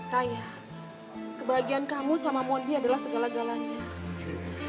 raya kebahagiaan kamu sama mondi adalah segala galanya